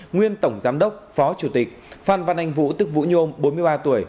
nguyên tổng giám đốc phó chủ tịch phan văn anh vũ tức vũ nhôm bốn mươi ba tuổi